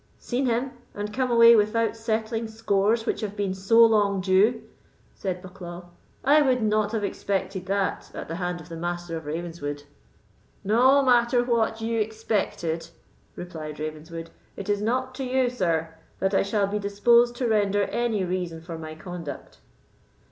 "Seen him—and come away without settling scores which have been so long due?" said Bucklaw; "I would not have expected that at the hand of the Master of Ravenswood." "No matter what you expected," replied Ravenswood; "it is not to you, sir, that I shall be disposed to render any reason for my conduct."